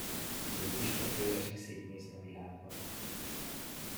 Mégiscsak jólesik szétnézni a világban!